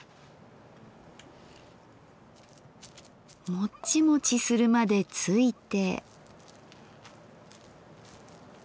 もちもちするまでついて。